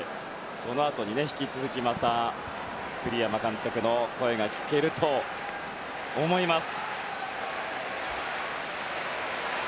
そのあとに引き続きまた栗山監督の声が聞けると思います。